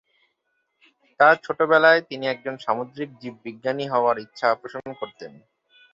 তার ছোটবেলায়, তিনি একজন সামুদ্রিক জীববিজ্ঞানী হওয়ার ইচ্ছা পোষন করতেন।